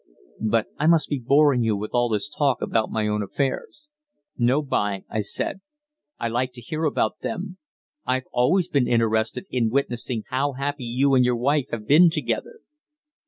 But I must be boring you with all this talk about my own affairs." "No, b'y," I said; "I like to hear about them. I've always been interested in witnessing how happy you and your wife have been together."